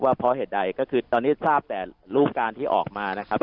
เพราะเหตุใดก็คือตอนนี้ทราบแต่รูปการณ์ที่ออกมานะครับ